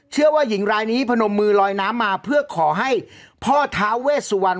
เชื่อว่าหญิงรายนี้พนมมือลอยน้ำมาเพื่อขอให้พ่อท้าเวสวรรณ